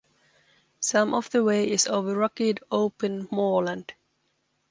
Some of the way is over rugged open moorland.